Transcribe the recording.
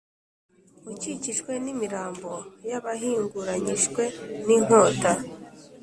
ukikijwe n’imirambo y’abahinguranyijwe n’inkota,